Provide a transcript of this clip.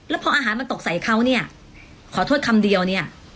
แล้วพออาหารมันตกใส่เขาเนี่ยขอโทษคำเดียวเนี่ย